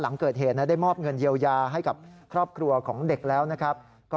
หลังเกิดเหตุได้มอบเงินเยียวยาให้กับครอบครัวของเด็กแล้วนะครับ